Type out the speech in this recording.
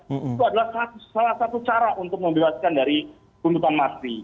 itu adalah salah satu cara untuk membebaskan dari tuntutan mati